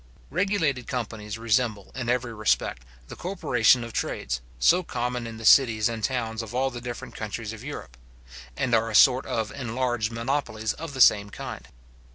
Regulated companies resemble, in every respect, the corporation of trades, so common in the cities and towns of all the different countries of Europe; and are a sort of enlarged monopolies of the same kind.